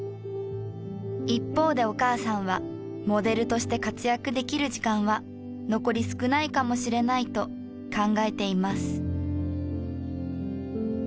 一方でお母さんはモデルとして活躍できる時間は残り少ないかもしれないと考えています。